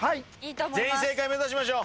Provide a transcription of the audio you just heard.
全員正解目指しましょう。